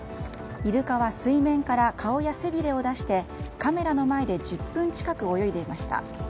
イルカは水面から顔や背びれを出してカメラの前で１０分近く泳いでいました。